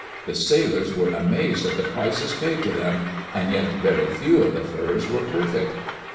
The sailors were amazed at the prices paid to diem, and yet very few of the furs were perfect.